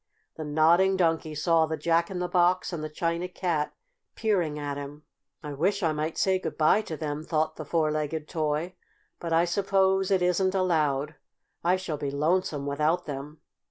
The Nodding Donkey saw the Jack in the Box and the China Cat peering at him. "I wish I might say good by to them," thought the four legged toy, "but I suppose it isn't allowed. I shall be lonesome without them."